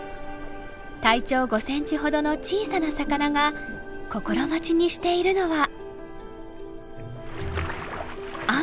体長５ｃｍほどの小さな魚が心待ちにしているのは雨。